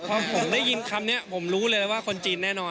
พอผมได้ยินคำนี้ผมรู้เลยว่าคนจีนแน่นอน